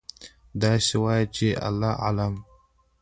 داسې وایئ چې: الله أعلم.